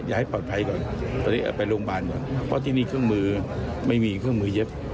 ให้ปลอดภัยก่อนตอนนี้ไปโรงพยาบาลก่อนเพราะที่นี่เครื่องมือไม่มีเครื่องมือเย็บ